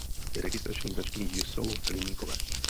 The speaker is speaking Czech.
Registrační značky jsou hliníkové.